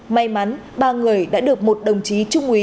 may mắn ba người đã được một đồng chí trung úy